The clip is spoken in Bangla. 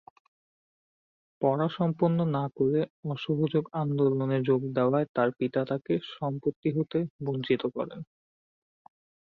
পড়া সম্পন্ন না করে অসহযোগ আন্দোলনে যোগ দেওয়ায় তার পিতা তাকে সম্পত্তি হতে বঞ্চিত করেন।